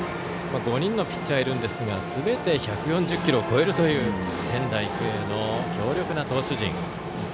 ５人のピッチャーがいるんですがすべて１４０キロを超えるという仙台育英の強力な投手陣。